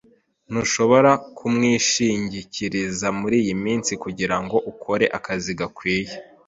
Ntushobora kumwishingikiriza muriyi minsi kugirango ukore akazi gakwiye.